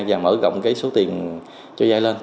và mở rộng cái số tiền cho vay lên